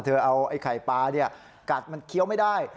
เอาไอ้ไข่ปลากัดมันเคี้ยวไม่ได้